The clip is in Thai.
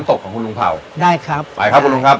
ศพของคุณลุงเผ่าได้ครับไปครับคุณลุงครับ